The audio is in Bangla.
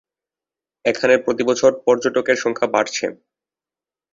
এখানে প্রতিবছর পর্যটকের সংখ্যা বাড়ছে।